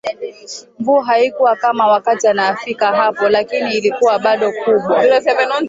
Mvua haikuwa kama wakati anafika hapo lakini ilikuwa bado kubwa